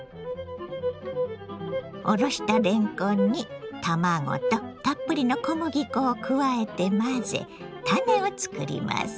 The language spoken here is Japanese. おろしたれんこんに卵とたっぷりの小麦粉を加えて混ぜたねをつくります。